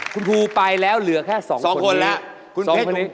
คุณครูไปแล้วเหลือแค่๒คนแล้ว